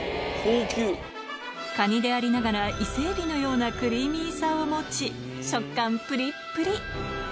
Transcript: カニでありながら、伊勢エビのようなクリーミーさを持ち、食感ぷりっぷり。